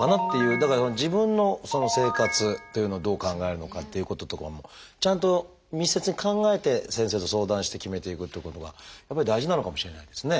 だから自分の生活というのをどう考えるのかっていうこととかもちゃんと密接に考えて先生と相談して決めていくっていうことがやっぱり大事なのかもしれないですね。